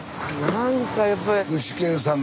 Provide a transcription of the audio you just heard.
なんかやっぱり。